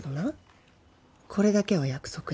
これだけは約束や。